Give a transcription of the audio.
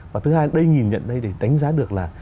và thứ hai đây nhìn nhận đây để đánh giá được là